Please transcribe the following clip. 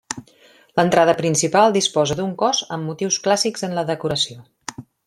L'entrada principal disposa d'un cos amb motius clàssics en la decoració.